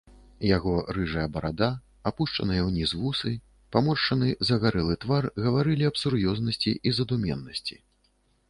Яго рыжая барада, апушчаныя ўніз вусы, паморшчаны загарэлы твар гаварылі аб сур'ёзнасці і задуменнасці.